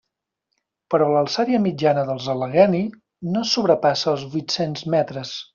Però l'alçària mitjana dels Allegheny no sobrepassa els vuit-cents metres.